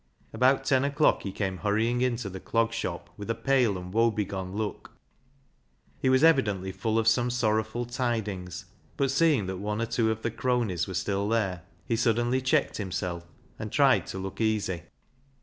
About ten o'clock he came hurrying into the Clog Shop with a pale and woebegone look. He was evidently full of some sorrowful tidings, but seeing that one or two of the cronies were still there, he suddenly checked himself, and tried to look easy.